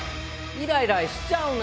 イライラしちゃうの？